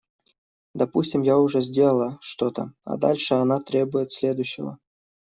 Допустим, я уже сделала что-то, а дальше она требует следующего.